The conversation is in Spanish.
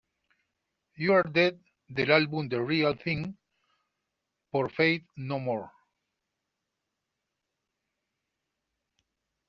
You're Dead" del álbum "The Real Thing", por Faith No More.